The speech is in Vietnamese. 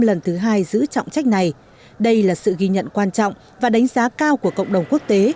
lần thứ hai giữ trọng trách này đây là sự ghi nhận quan trọng và đánh giá cao của cộng đồng quốc tế